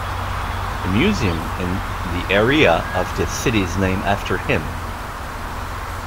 The museum in the area of the city is named after him.